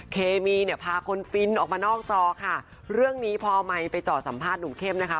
เคมีเนี่ยพาคนฟินออกมานอกจอค่ะเรื่องนี้พอไมค์ไปจอดสัมภาษณ์หนุ่มเข้มนะคะ